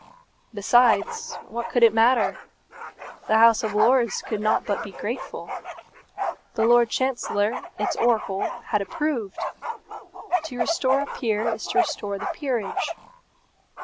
Besides, what could it matter? The House of Lords could not but be grateful. The Lord Chancellor, its oracle, had approved. To restore a peer is to restore the peerage.